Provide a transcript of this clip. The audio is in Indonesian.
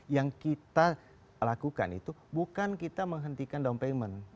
yang kita lakukan itu bukan kita menghentikan down payment